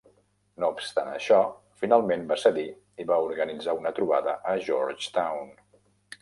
No obstant això, finalment va cedir i va organitzar una trobada a Georgetown.